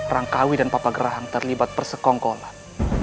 rangkawi dan papa gerahan terlibat persekongkolan